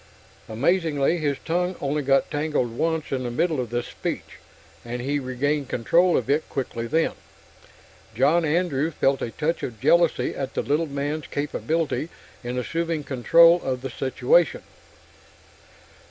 Amazingly, his tongue only got tangled once in the middle of this speech, and he regained control of it quickly then. John Andrew felt a touch of jealousy at the little man's capability in assuming control of the situation.